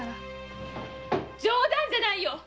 冗談じゃないよ！